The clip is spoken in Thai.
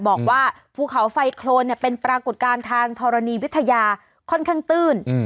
บอกว่าภูเขาไฟโครนเป็นปรากฏการณ์ทางธรณีวิทยาค่อนข้างตื้น